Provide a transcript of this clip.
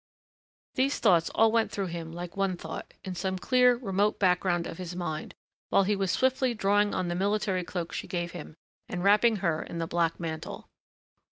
These thoughts all went through him like one thought, in some clear, remote background of his mind, while he was swiftly drawing on the military cloak she gave him and wrapping her in the black mantle.